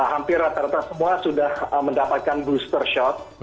hampir rata rata semua sudah mendapatkan booster shot